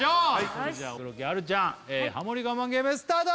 それじゃ黒木華ちゃんハモリ我慢ゲームスタート！